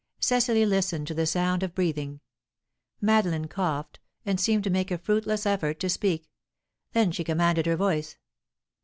Cecily listened to the sound of breathing. Madeline coughed, and seemed to make a fruit less effort to speak; then she commanded her voice.